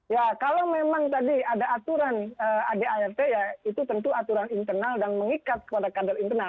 ya kalau memang tadi ada aturan adart ya itu tentu aturan internal dan mengikat kepada kader internal